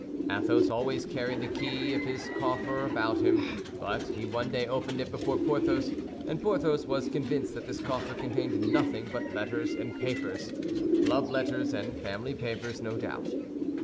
Athos always carried the key of this coffer about him; but he one day opened it before Porthos, and Porthos was convinced that this coffer contained nothing but letters and papers—love letters and family papers, no doubt.